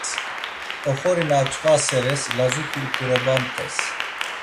Oxori na aç̌vaseres lazut̆i uǩorobamt̆es.